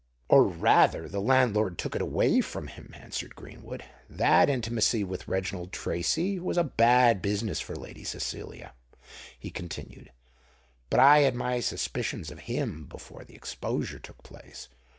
"Or rather the landlord took it away from him," answered Greenwood. "That intimacy with Reginald Tracy was a bad business for Lady Cecilia," he continued. "But I had my suspicions of him before the exposure took place.